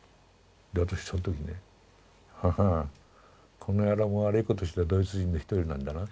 で私その時ねははんこの野郎悪いことしたドイツ人の一人なんだな。